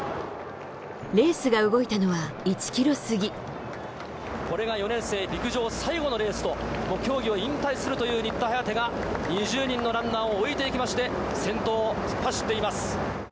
レースが動いたのは１キロ過これが４年生、陸上最後のレースと、競技を引退するという新田颯が、２０人のランナーを置いていきまして、先頭を突っ走っています。